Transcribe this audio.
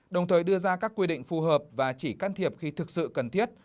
đồng thời đưa ra các quy định phù hợp và chỉ can thiệp khi thực sự cần thiết